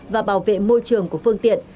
và bảo vệ môi trường của phương tiện